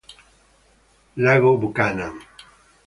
Lago Buchanan